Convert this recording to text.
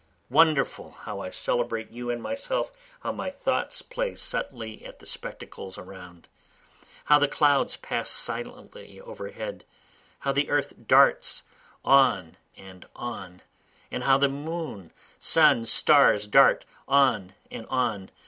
Wonderful how I celebrate you and myself How my thoughts play subtly at the spectacles around! How the clouds pass silently overhead! How the earth darts on and on! and how the sun, moon, stars, dart on and on!